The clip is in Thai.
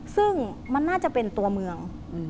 ซึ่งมันน่าจะเป็นตัวเมือง